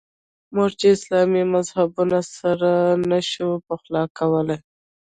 موږ چې اسلامي مذهبونه سره نه شو پخلا کولای.